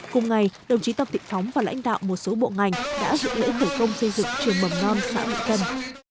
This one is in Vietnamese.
cùng ngày đồng chí tòng thị phóng và lãnh đạo một số bộ ngành đã dự lễ khởi công xây dựng trường mầm non xã luyện tân